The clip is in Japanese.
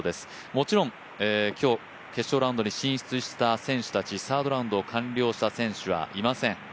もちろん、今日決勝ラウンドに進出した選手たちサードラウンド完了した選手はいません。